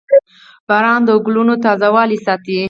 • باران د ګلونو تازهوالی ساتي.